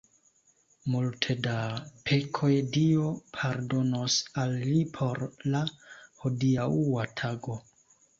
Multe da pekoj Dio pardonos al li por la hodiaŭa tago.